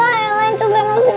wah yang lain tuh gak masih nangis